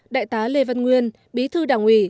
đại tá lê văn nguyên bí thư đảng ủy